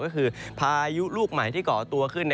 ก็คือพายุลูกใหม่ที่ก่อตัวขึ้น